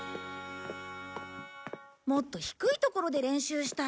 もっと低い所で練習したい。